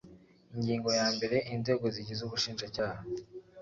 Ingingo ya mbere Inzego zigize Ubushinjacyaha